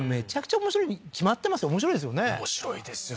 面白いですよね？